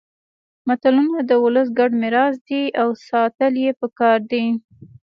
متلونه د ولس ګډ میراث دي او ساتل يې پکار دي